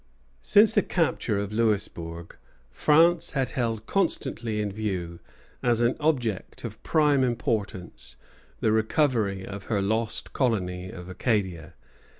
Since the capture of Louisbourg, France had held constantly in view, as an object of prime importance, the recovery of her lost colony of Acadia.